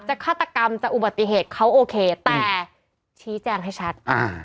ฆาตกรรมจะอุบัติเหตุเขาโอเคแต่ชี้แจงให้ชัด